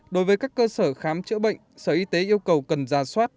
đối với các cơ sở khám chữa bệnh sở y tế yêu cầu cần ra soát